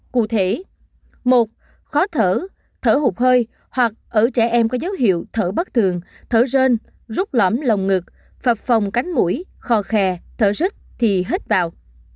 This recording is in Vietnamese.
cụ thể một khó thở thở hụt hơi hoặc ở trẻ em có dấu hiệu thở bất thường thở rơn rút lõm lồng ngực phòng cánh mũi kho khe thở rứt thì hết vào